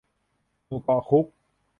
หมู่เกาะคุก